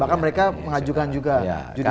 bahkan mereka mengajukan juga